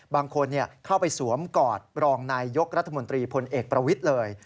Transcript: บางคนเข้าไปสวมกอดรองนายยกรัฐมนตรีพลเอกประวิทย์เลย